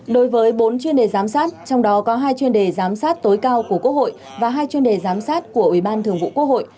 đối với bốn chuyên đề giám sát trong đó có hai chuyên đề giám sát tối cao của quốc hội và hai chuyên đề giám sát của ủy ban thường vụ quốc hội